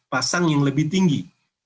pasang yang lebih tinggi